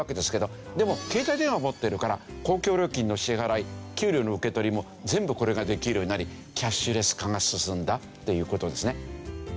でも携帯電話は持ってるから公共料金の支払い給料の受け取りも全部これができるようになりキャッシュレス化が進んだという事ですね。